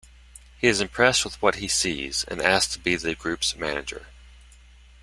He is impressed with what he sees and asks to be the group's manager.